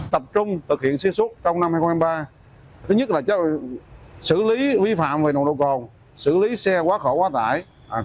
tập trung thực hiện xuyên suốt trong năm hai nghìn hai mươi ba thứ nhất là xử lý vi phạm về nồng độ cồn xử lý xe quá khổ quá tải